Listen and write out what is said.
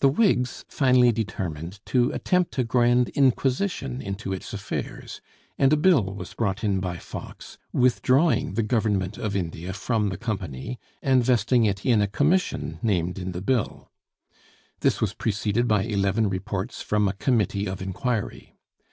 The Whigs finally determined to attempt a grand inquisition into its affairs, and a bill was brought in by Fox, withdrawing the government of India from the Company and vesting it in a commission named in the bill. This was preceded by eleven reports from a Committee of Inquiry.